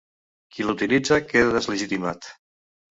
Qui la utilitza queda deslegitimat.